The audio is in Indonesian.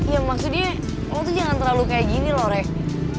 ya maksudnya emang tuh jangan terlalu kayak gini loh rek